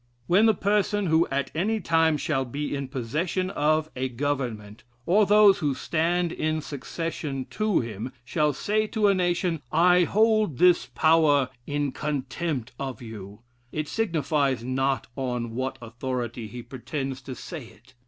When the person who at any time shall be in possession of a government, or those who stand in succession to him, shall say to a nation, I hold this power in 'contempt' of you, it signifies not on what authority he pretends to say it.